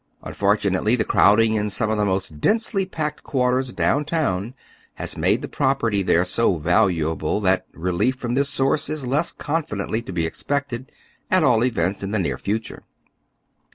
Unfortunately, tiie crowd ing in some of the most densely packed quarters down town has made the propei'ty there so valuable, that relief from this source is less confidently to be expected, at all events in the near future.